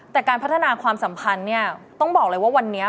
แต่การพัฒนาความสัมพันธ์เนี่ยต้องบอกเลยว่าวันนี้